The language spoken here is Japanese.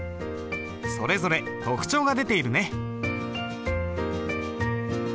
それぞれ特徴が出ているね。